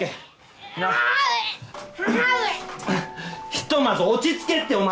ひとまず落ち着けってお前！